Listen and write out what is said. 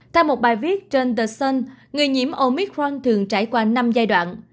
theo một bài viết trên the người nhiễm omicron thường trải qua năm giai đoạn